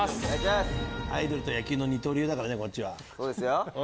アイドルと野球の二刀流だからねこっちは。